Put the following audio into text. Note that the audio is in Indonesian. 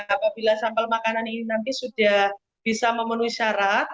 apabila sampel makanan ini nanti sudah bisa memenuhi syarat